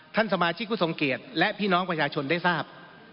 ท่านสมาชิกผู้ทรงเกียจและพี่น้องประชาชนได้ทราบ